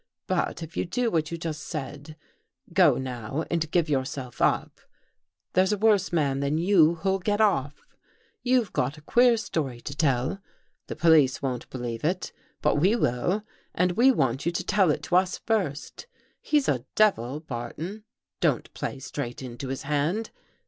But if you do what you just said — go now and give yourself up, there's a worse man than you who'll get off. You've got a queer story to tell. The police won't believe it, but we will and 236 THE THIRD CONFESSION we want you to tell it to us first. He's a devil, Barton. Don't play straight into his hand.